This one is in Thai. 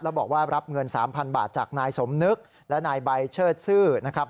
แล้วบอกว่ารับเงิน๓๐๐บาทจากนายสมนึกและนายใบเชิดซื่อนะครับ